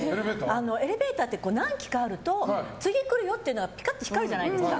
エレベーターって何機かあると次来るよっていうのがピカって光るじゃないですか。